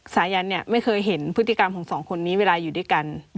สายันเนี่ยไม่เคยเห็นพฤติกรรมของสองคนนี้เวลาอยู่ด้วยกัน